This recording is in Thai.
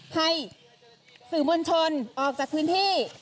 ให้สื่อมวลชนออกจากพื้นที่